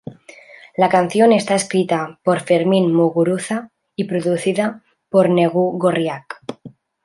La canción está escrita por Fermin Muguruza y producida por Negu gorriak.